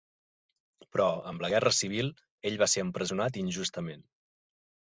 Però, amb la Guerra Civil, ell va ser empresonat injustament.